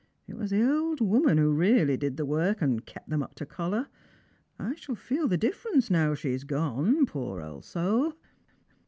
It was the old woman who really did the work, and kept them up to collar. I shall feel the difference now she's gone, poor old soul!"